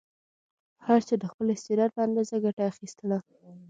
هر چا د خپل استعداد په اندازه ګټه اخیستله.